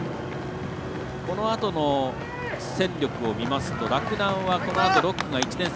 このあとの戦力を見ますと洛南はこのあと５区が１年生。